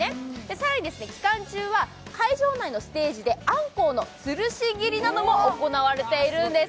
更に期間中は会場内のステージでアンコウの吊るし切りなども行われているんです。